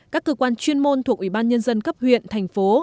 các cơ quan chuyên môn thuộc ủy ban nhân dân cấp huyện thành phố